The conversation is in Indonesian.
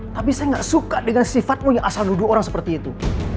tapi saya gak suka dengan sifat mu yang asal nuduh orang seperti itu